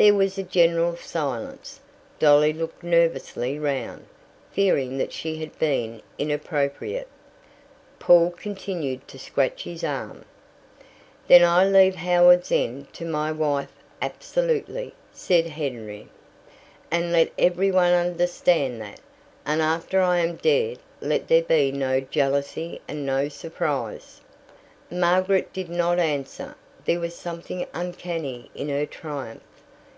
There was a general silence. Dolly looked nervously round, fearing that she had been inappropriate. Paul continued to scratch his arm. "Then I leave Howards End to my wife absolutely," said Henry. "And let every one understand that; and after I am dead let there be no jealousy and no surprise." Margaret did not answer. There was something uncanny in her triumph.